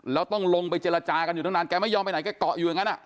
แล้วต้องลงไปเจรจากันอยู่ตั้งนานแกไม่ยอมไปไหนแกเกาะอยู่อย่างนั้น